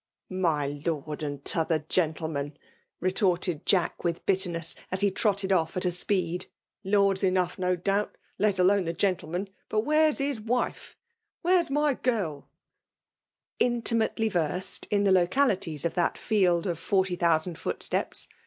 ^^ My Lord and t'other geirtlenian," retorted Jack with bitteanie8s> as he trotted off at speed* ''Lords enough, ao doubt; let alcme tlie gentfemen. But where'a his wife 1 wbese'a my girl r Intimately rersed in the localities of that field of forty thousand footsteps.